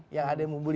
yang ada yang membuli